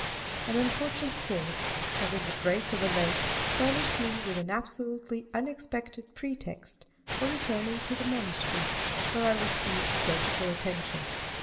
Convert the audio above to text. An unfortunate fall, causing the breaking of a leg, furnished me with an absolutely unexpected pretext for returning to the monastery, where I received surgical attention.